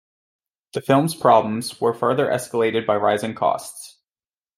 The film's problems were further escalated by rising costs.